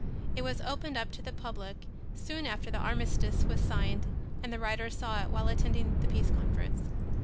It was opened up to the public soon after the armistice was signed and the writer saw it while attending the Peace Conference.